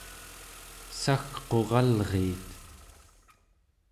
sagquralriit